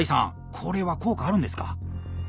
これは効果あるんですか？